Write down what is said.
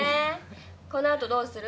このあとどうする？